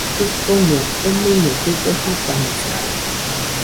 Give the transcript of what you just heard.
Jikonɨa koninɨaɨ dɨga jɨfanosɨde